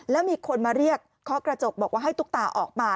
แล้วมีคนมาเรียกเคาะกระจกบอกว่าให้ตุ๊กตาออกมา